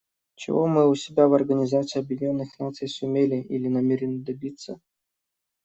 Чего мы у себя в Организации Объединенных Наций сумели или намерены добиться?